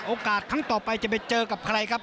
โอกาสครั้งต่อไปจะไปเจอกับใครครับ